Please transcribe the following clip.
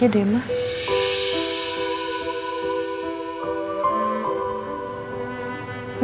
biar dia aja yang pilihin